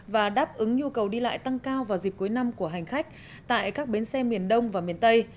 và đáp ứng nhu cầu đi lại tăng cao vào dịp cuối năm của hành khách tại các bến xe miền đông và miền tây